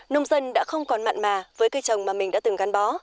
nông dân đã không còn mặn mà với cây trồng mà mình đã từng gắn bó